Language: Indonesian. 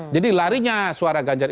jadi larinya suara ganjar itu